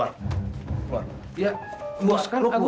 keluar keluar ya bos kan aku